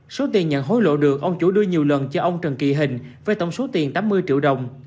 số tiền nhận hối lộ được ông chủ đưa nhiều lần cho ông trần kỳ hình với tổng số tiền tám mươi triệu đồng